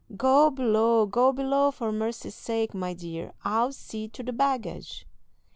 "Go below, go below, for mercy's sake, my dear; I'll see to the baggage."